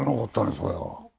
それは。